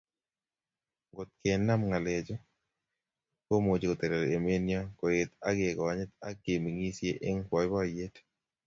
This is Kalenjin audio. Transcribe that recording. Ngotkenam ngalechu komuchi kotelel emenyo, koet ak kekonyit ak kemengisie eng boiboiyet